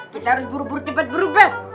kita harus buru buru cepat berubah